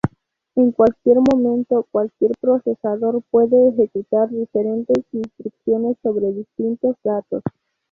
En cualquier momento, cualquier procesador puede ejecutar diferentes instrucciones sobre distintos datos.